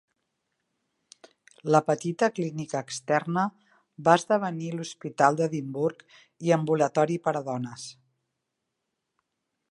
La petita clínica externa va esdevenir l'Hospital d'Edimburg i Ambulatori per a Dones.